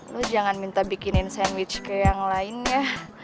lo jangan minta bikinin sandwich ke yang lainnya